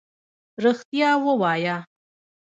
رښتيا ووايه.